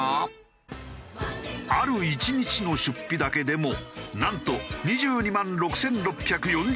ある１日の出費だけでもなんと２２万６６４０円。